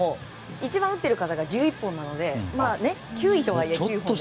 本塁打も一番打っている方が１１本なので９位とはいえ。